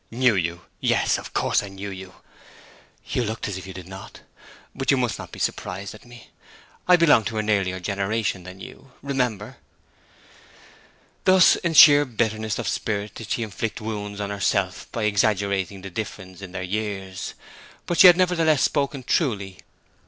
'Knew you yes, of course I knew you!' 'You looked as if you did not. But you must not be surprised at me. I belong to an earlier generation than you, remember.' Thus, in sheer bitterness of spirit did she inflict wounds on herself by exaggerating the difference in their years. But she had nevertheless spoken truly.